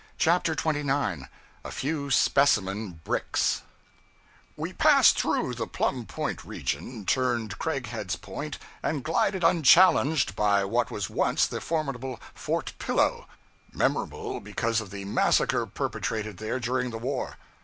CHAPTER 29 A Few Specimen Bricks WE passed through the Plum Point region, turned Craighead's Point, and glided unchallenged by what was once the formidable Fort Pillow, memorable because of the massacre perpetrated there during the war.